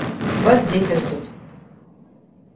Вас дети ждут.